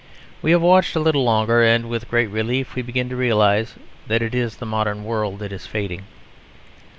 We have watched a little longer, and with great relief we begin to realise that it is the modern world that is fading.